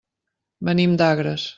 Venim d'Agres.